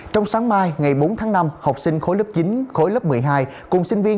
trong sáng mai ngày bốn tháng năm học sinh khối lớp chín khối lớp một mươi hai cùng sinh viên